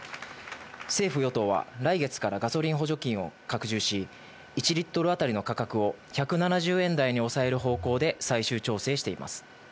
政府・与党は来月からガソリン補助金を拡充し、１リットル当たりの価格を１７０円台に抑える方向で最終調整しています。